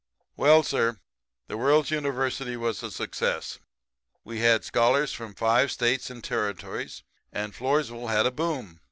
"Well, sir, the World's University was a success. We had scholars from five States and territories, and Floresville had a boom.